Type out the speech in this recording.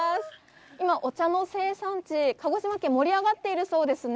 今、お茶の生産地、鹿児島県、盛り上がっているそうですね？